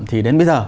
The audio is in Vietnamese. thì đến bây giờ